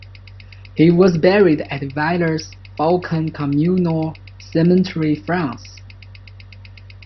He was buried at Villers-Faucon Communal Cemetery, France.